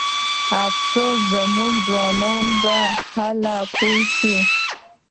افسوس زموږ ځوانان به هله پوه شي.